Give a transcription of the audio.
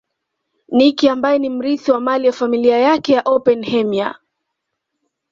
Nicky ambaye ni mrithi wa mali ya familia yake ya Oppenheimer